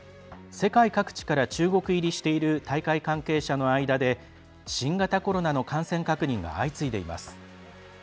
世界各地から中国入りしている大会関係者の間で新型コロナの感染確認が相次いでいます。